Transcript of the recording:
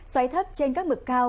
xoáy thấp trên các mực cao